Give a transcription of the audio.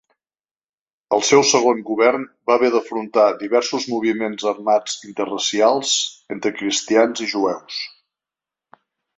El seu segon govern va haver d'afrontar diversos moviments armats interracials, entre cristians i jueus.